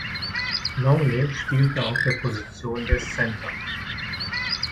Longley spielte auf der Position des Center.